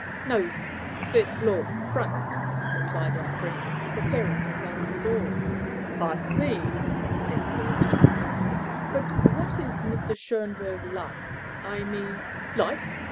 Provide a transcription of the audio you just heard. "No. First floor front," replied our friend, preparing to close the door. "Pardon me," said Thorndyke, "but what is Mr. Schönberg like? I mean " "Like?"